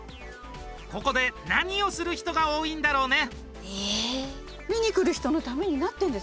ここで何をする人が多いんだろうね？